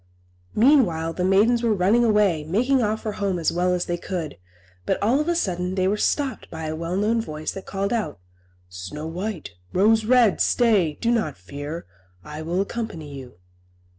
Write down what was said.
Meanwhile, the maidens were running away, making off for home as well as they could; but all of a sudden they were stopped by a well known voice that called out, "Snow White, Rose Red, stay! Do not fear. I will accompany you."